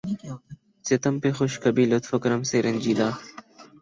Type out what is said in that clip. ستم پہ خوش کبھی لطف و کرم سے رنجیدہ